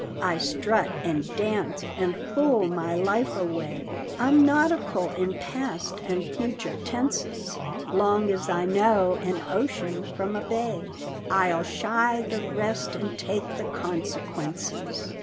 I strut and dance, and fool my life away; I'm nautical in past and future tenses! Long as I know an ocean from a bay, I'll shy the rest, and take the consequences.